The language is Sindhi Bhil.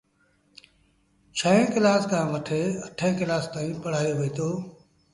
ڇهين ڪلآس کآݩ وٽي اٺيݩ ڪلآس تائيٚݩ پڙهآيو وهيٚتو۔